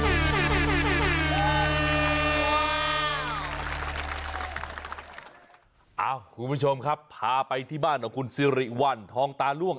คุณผู้ชมครับพาไปที่บ้านของคุณสิริวัลทองตาล่วง